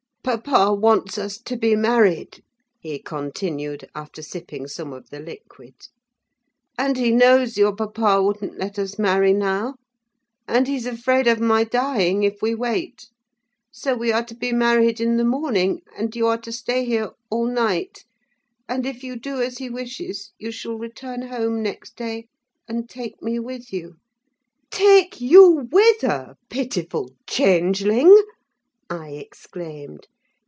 "Papa wants us to be married," he continued, after sipping some of the liquid. "And he knows your papa wouldn't let us marry now; and he's afraid of my dying if we wait; so we are to be married in the morning, and you are to stay here all night; and, if you do as he wishes, you shall return home next day, and take me with you." "Take you with her, pitiful changeling!" I exclaimed.